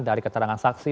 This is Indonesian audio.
dari keterangan saksi